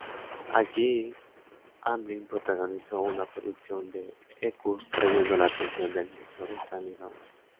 Allí, Hamlin protagonizó una producción de "Equus", atrayendo la atención del director Stanley Donen.